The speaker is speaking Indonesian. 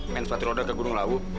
main sepatu roda ke gunung laut